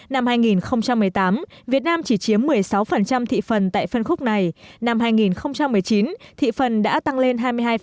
năm hai nghìn một mươi tám việt nam chỉ chiếm một mươi sáu thị phần tại phân khúc này năm hai nghìn một mươi chín thị phần đã tăng lên hai mươi hai